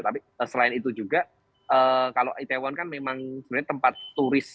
tapi selain itu juga kalau itaewon kan memang sebenarnya tempat turis